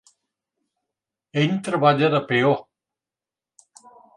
Ell treballa de peó.